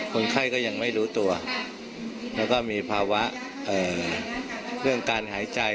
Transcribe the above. คนไข้ก็ยังไม่รู้ตัวแล้วก็มีภาวะเรื่องการหายใจ